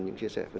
cảm ơn các bạn